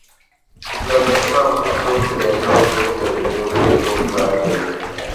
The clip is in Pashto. دولتي مامورین څوک تر یوې او څوک تر درېیو بجو کار کوي.